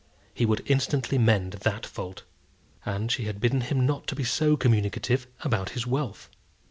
He would instantly mend that fault. And she had bidden him not to be so communicative about his wealth.